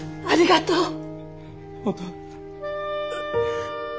ありがとう。